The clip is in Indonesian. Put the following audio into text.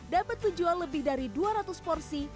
dapat menjual lebih dari dua ratus porsi